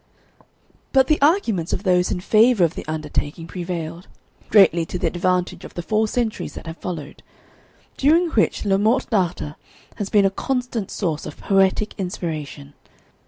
But the arguments of those in favour of the undertaking prevailed, greatly to the advantage of the four centuries that have followed, during which "Le Morte Darthur" has been a constant source of poetic inspiration.